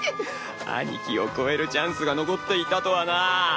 兄貴を超えるチャンスが残っていたとはな。